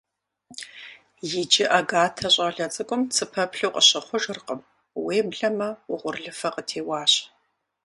Иджы Агатэ щӀалэ цӀыкӀум цыпэплъу къыщыхъужыркъым, уеблэмэ угъурлыфэ къытеуащ.